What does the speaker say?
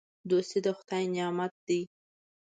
دوستي د خدای نعمت دی.